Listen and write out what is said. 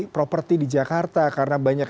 properti di jakarta karena banyak